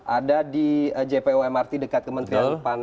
ada di jpo mrt dekat kementerian pan